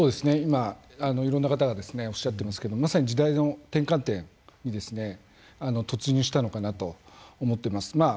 今いろんな方がおっしゃっていますがまさに時代の転換点に突入したのかなと思っています。